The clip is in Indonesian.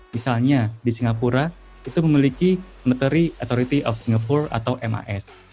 misalnya di singapura itu memiliki matary authority of singapore atau mis